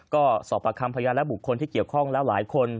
ก็สอบประคำพยานและบุคคลที่เกี่ยวข้องแล้วหลายคน